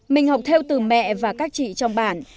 mình học theo từ mẹ và các chị trong bản